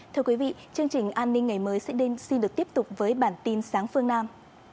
thưa quý vị chương trình an ninh ngày mới sẽ đến xin được tiếp tục với bản tin sáng phương nam